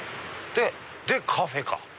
でカフェか。